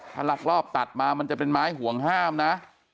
ถ้าลักลอบตัดมามันจะเป็นไม้ห่วงห้ามนะ